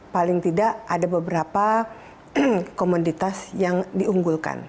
paling tidak ada beberapa komoditas yang diunggulkan